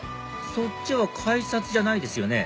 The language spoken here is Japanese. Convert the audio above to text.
そっちは改札じゃないですよね